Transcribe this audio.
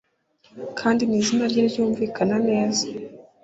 Kandi nizina rye ryumvikana neza